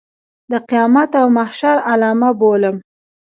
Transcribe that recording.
د قیامت او محشر علامه بولم.